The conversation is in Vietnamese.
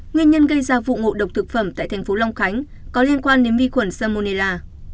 nguyên nhân gây ra vụ ngộ độc thực phẩm tại thành phố long khánh có liên quan đến vi khuẩn salmonella